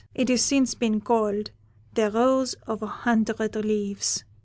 It has since been called 'the rose of a hundred leaves.'